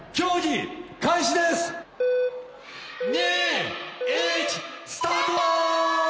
２１スタート！